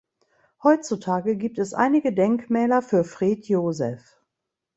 Heutzutage gibt es einige Denkmäler für Fred Joseph.